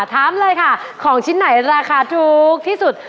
ถามเลยค่ะของชิ้นไหนราคาถูกที่สุด